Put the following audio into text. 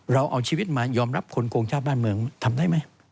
เราเอาชีวิตมายอมรับคนโกงชาติบ้านเมืองทำได้ไหม